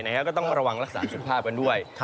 ก็ต้องระวังรักษาสุขภาพกันด้วย